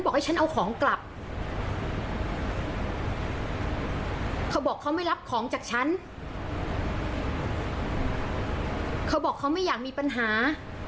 เขาบอกเขาไม่รับของจากฉันเขาบอกเขาไม่อยากมีปัญหา